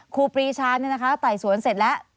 ครูปรีชาเนี่ยนะคะไต่สวนเสร็จแล้ว